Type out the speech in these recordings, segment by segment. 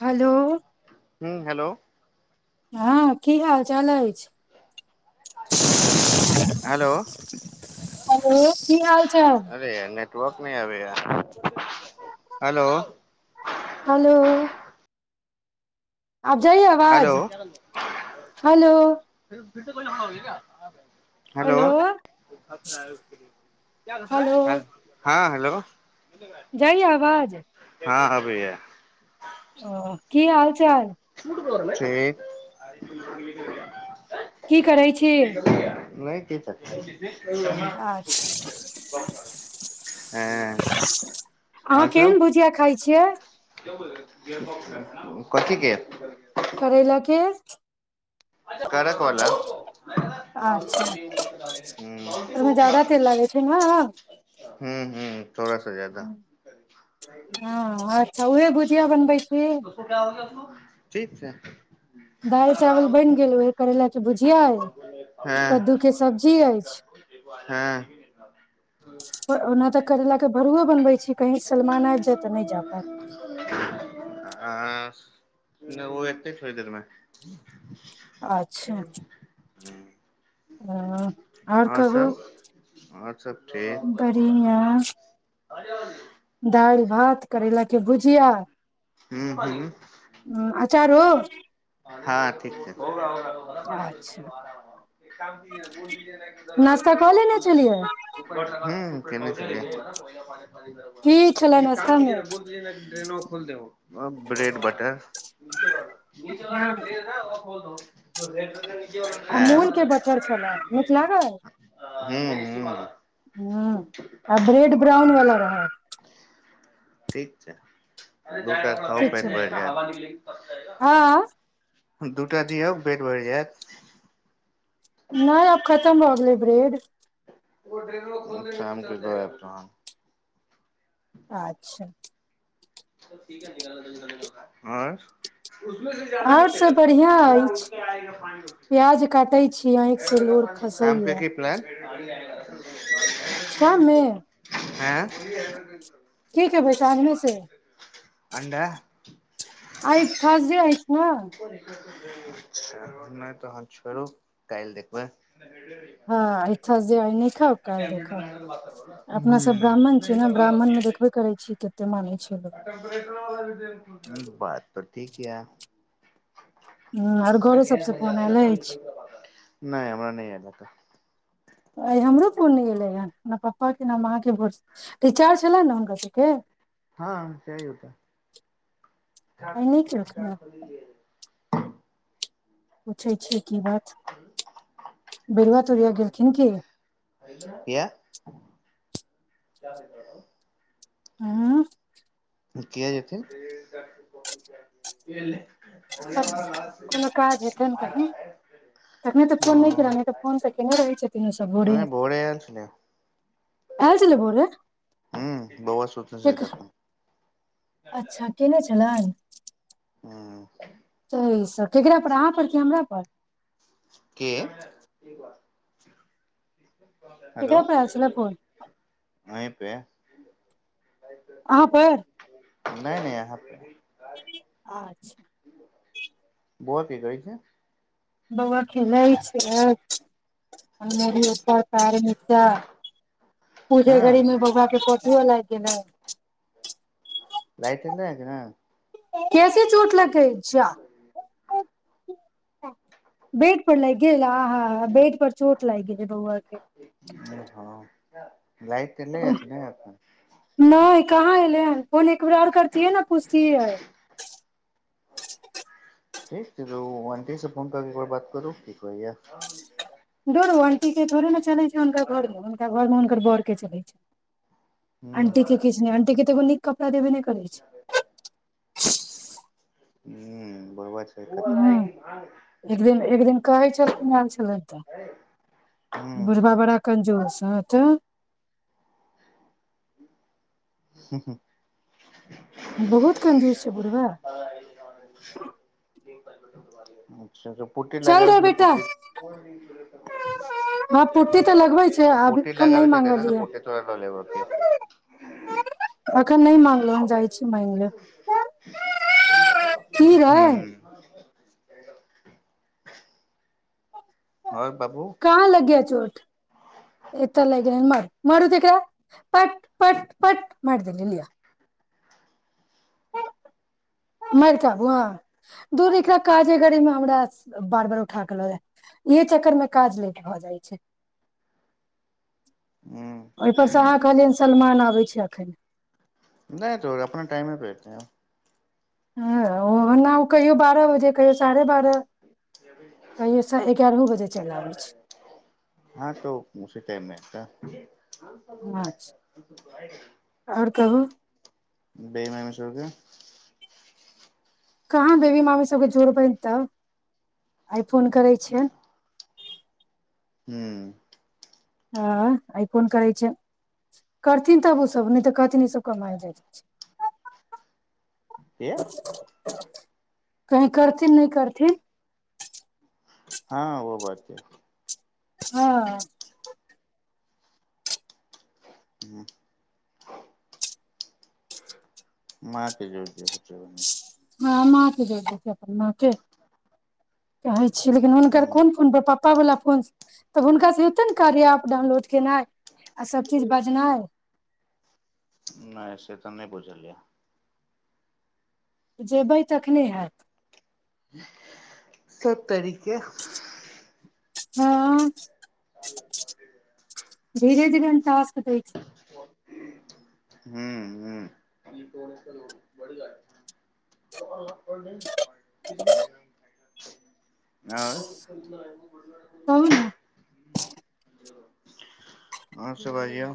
hello हुं hello हँ की हाल चाल अछि हेलो हेलो की हाल चाल अरे या गप नै आबैया हेलो हलो आब जाइए हेलो आवाज हेलो फर तऽ कोइ कह हो हेलो हँ हं हेलो जाइया आवाज हँँ अबैया ओ की हाल चाल ठीक की करै छी नहि किछ च अच्छा हँ अहाँ आओर केहन सब भुजिया खाइ छियै कथी के करैला के करक वाला अच्छा ओहिमे ज्यादा तेल लागै छै ने ह ह ह थोड़ सा जादा हँ अच्छा उहे भुजिया बनबै छी ठीक छै दालि चावल बनि गेल उएह करैलाके भुजिया अय हँ कद्दुके सब्जी अछि आर ओना तऽ करैलाके भ ओ जा पायत आ ओ एत छोड़ देरमे अच्छा [unintelligible] ह आओर कहू आओर सब बढ़िआ आरी दालि भात करैलााक के भुजिया हू हू ह आचार हो हँ ठीक छै अच्छा नास्ता कऽ लेने छलियै [inaudible] केने छै की छले काम नास्ता मे क बोल ड्रेनो ब्रेड बटर नी जग ड्रेस ह बल [unintelligible] अमूल के बटर छल नीक लागत है हूँ हूँ ह आ ब्रेड ब्राउन वाला रहत ठीक छै द ख ठीक छलै प आ दटा दिय हक बेेट भढ़ जायत नहि अब खतम हो गेलै ब्रेड चछा क त अच्छा आँ उसमे से जदा आओर निकल सब बढ़िया अछि क आ एक सलोर खस ही है ान ल शाम मे हैं ऊपर कठ कहबै तने से अंडा आइ थर्सडे अछि ने एक नहि तऽ हँ छोड़ू कल देखब हँ आइ थर्सडे आइ नहि खाउ काल्हि देखब अपना सब ब्राह्मण छी ने ब्राह्मण मे देखबे करै छी कते मानै छै लोक बात तऽ ठीक य ह आर घरो सभसँ जाती फोन है ना आयल पानी ऊपर अछि पूरा पाता नहि हमरा नहि आयल त आइ हमरो कोन नहि एयलै हेन हमरा पपापाके न अहाँके भो टीचार छले ने हुनकर सभके हँ से ही होत क आइ नहि केलखिन हँ कल पूछै छिय की बात बरुआा तोरिया गेलखिन की क्य ह त हँ क जेत त कोनो काज हेत ने कहीँ तखने तऽ फोन नहि क ओ नहि तऽ फोन तऽ केयने रहै छथिन ओसभ नहि बोरिंग भोरे आयल छलै आ छल बोले हूँ बौआ सुतने छलै तखन अच्छा कने चल हँ सह ई स ककरापर अहाँपर कि हमरापर ई बात क कह परसनापन अहीं पे अहाँ पे नहि नहि यहाँ पे अच्छा बोआ की कर छै अ तार मिचा पूजे हँ गीमे बआा के फोटओ लागि गेलै लाट ए नहि कि ने कैसे चोट लग छा बड पर लाग गेल आ ह बेैड पर चोट लागि गेल बहुत ह लायत त नहि यत नहि कोन एक बे आर करतीियै न पछ क य ठीक छै त वंटी से फोन करकेर बात करू ठीक कहैया चलैत छै हुनका घरमे हुनका घरमे हुनकर बर के चलैत छै हूँ आंटीे किछ नहि आंट के तो न कपड़ा देबै करै छै ह बरबर छै ह एक दिन एक दिन कहै छी [inaudible] तऽ हूँ बुढ़बा बड़ा कंजूुर सात ह ह बहुत कंजूस छै बूर्बा पुटी लगाबै छै तऽ बेटा पुट हँ पुट्टी तऽ लगबै छै आब पुटी एखन नहि लगाबै छै त ने तऽ मांगलियै पुट्टी तोरा लऽ लेब' के अखन नहि मांगलौ हम जाइ छी मांगि लेब की रे हुं आओर बाबू कहाँ लग गया चोट एतऽ लागि गेलै मारू तऽ एकरा पट पट पट मारि देलियै मार कऽ आबू हँ दूर एकरा काजे करैमे हमरा बार बार उठा क ल जाय इहे चक्करमे काज लेट भऽ जाइ छै हूँ ओहिपर से अहाँ कहलियै सलमान आबै छै अखन नहि जो अपना टाइमे पर हं ओ न कहियो बारह बजे कहियो साढ़े बारह कहियो एगारहो बजे चलि आबै छै हँ त मुे टाइम नहि त अच्छा आओर कहू [unintelligible] बेमेमेसरके कहाँ बेबी मामी सभकेँ जोड़बनि तब आइ फोन करै छियनि हुं हँ आइ कोन करै छै करथिन तब ओसभ नहि तऽ कहथिन इसभ कमाय जाइ छै किया [unintelligible] कहीं करथिन नहि करथिन हँ ओ बात ऐ हँ [unintelligible] मांके जोइर दियौ अचछा हँ माँ के जोरि दै छै अपन मां के च छी लेकिन हुनकर हूँ कोन कोन पर पप पप्पा बला फोन तऽ हुनका से हेतै ने कार्य एप डाउनलोड केनाइ आ सब चीज बजनाइ नहि से तऽ नहि बुझलिया जेबै तखने हाएत सभ तरीके हँ धीरे धीरे टास्क दै छै हुं हुं हं कहू न आओस बाजियौ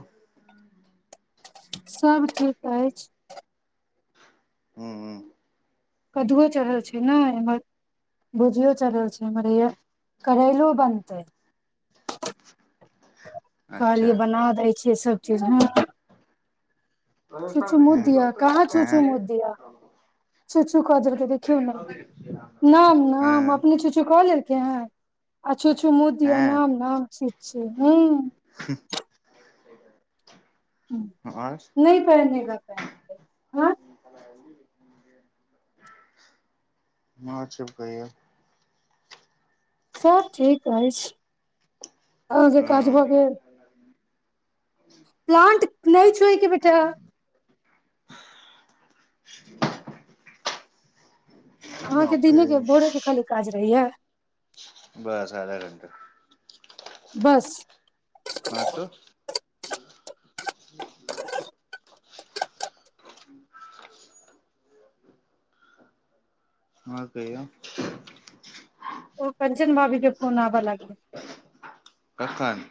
सभ ठीक अछि हुं हुं कदूओ चढ़ल छै न एमहर भुजियो चढ़ल छै एमहर हैया करैलो बनतै अच्छा खाली बना दै छैय सब चीज ह चू चु मुत हँ दिया कहाँ छूचु मुत दिया चू सु कजरके छौ न नाम न अपने चु छू क लेलकै है आ चुछु मुत दिया हँ नाम न हँ आओर नहि पहिनेगा पेन्ट माँ छै कहिय सभ ठीक अछि आहाँ के काज भऽ गेल प्लांट नहि छुएके बेटा [unintelligible] अहाँके दिने के हूँ भोरे के खाली काज रहै य बस आधा घंटा बस हँ तो [unintelligible] [unintelligible] आहाँ कहियो ओ कंचन भाभी के फोन आबअ लागले कखान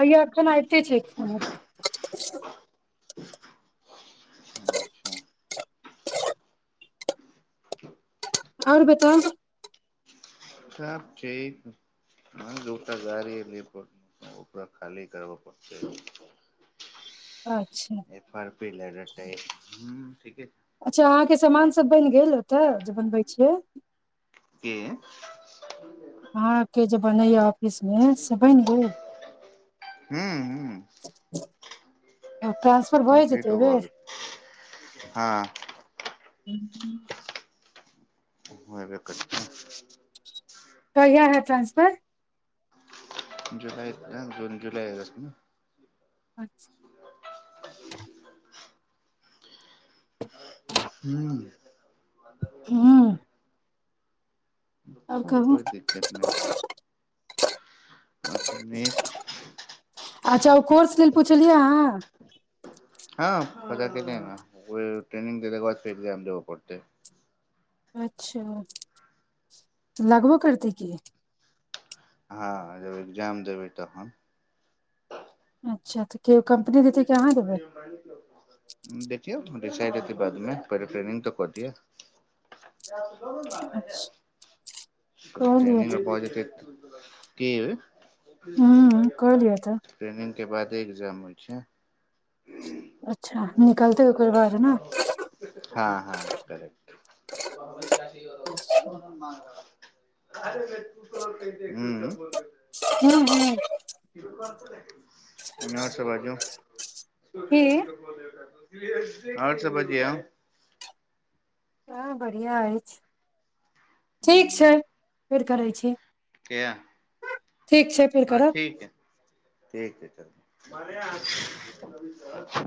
भैयाक खाना एयते छै अच्छा आओर बताउ सब ठीक ऐ दूटा गाड़ी लिए परतै ओकरा खाली करबअ पड़तै अच्छा [unintelligible] ठीके छै अच्छा अहाँके सामानसभ बैन गेल ओतय जे बनबै छियै की आहाँ के जे बनैय य अप इसमे से बैन गेल ट्रांसफर भए जेतै कम्पलीट ओ एहि भय बेर गेलै हँ हू उ उ हेबे करतै कहिया हैत ट्रानंसफर जुलाइ जून जुलाइ अगस्तमे अचछा ह्म हँ कोइ दिक्कत नहि अच्छा नहि अच्छा उ कोर्स लेल पु छलियै अहाँ हँ पता केने आउ न जे ट्रेनिंग देलाक बाद फेर एग्जाम देबऽ पड़तै अच्छा लगबो करतै की हँ जब एग्जाम देबै तखन अच्छा तऽ केओ कम्पनी देतै कि अहाँ देबै बिचार हेतै बादमे पहिने ट्रेनिंग तऽ करऽ दिय अच्छा कहलियै ट्रेनिंग मे तऽ पहुज जेतै तऽ कि हूँ कहलियै तऽ ट्रेनिंग के बाद एग्जाम होयतै छै अच्छा निकलतै ओकर बाद नै हँ हँ करेक्ट लोन [inaudible] उंम्म [inaudible] हँ हँ ओ [inaudible] बै [inaudible] सुज की बो दे [inaudible] आओर सब बाजिया हँ बढ़ियां अछि ठीक छै फेर करै छी क्या ठीक छै फेर हँ करब ठीक है ठीक है तब [inaudible]